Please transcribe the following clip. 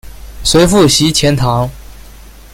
随父徙钱塘。